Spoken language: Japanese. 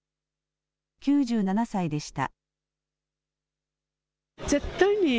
９７歳でした。